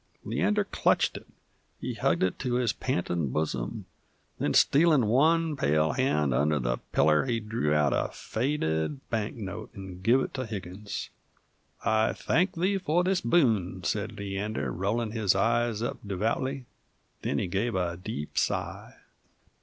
Leander clutched it; he hugged it to his pantin' bosom; then stealin' one pale hand under the piller he drew out a faded banknote 'nd gave it to Higgins. "I thank Thee for this boon," sez Leander, rollin' his eyes up devoutly; then he gave a deep sigh.